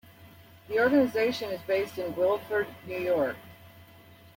The organization is based in Guilford, New York.